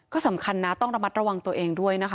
ก็สำคัญนะต้องระมัดระวังตัวเองด้วยนะคะ